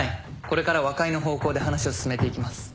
これから和解の方向で話を進めていきます。